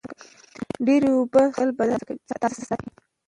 ډېرې اوبه څښل بدن تازه ساتي.